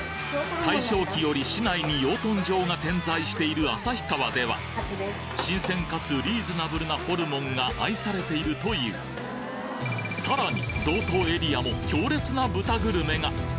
大正期より市内に養豚場が点在している旭川では新鮮かつリーズナブルなホルモンが愛されてるというさらに道東エリアも強烈な豚グルメが！